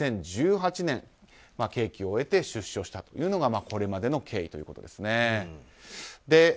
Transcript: ２０１８年、刑期を終えて出所したというのがこれまでの経緯ということです。